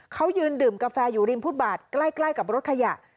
เขายืนดื่มกาแฟอยู่ริมฟุตบาทใกล้กับรถขยะ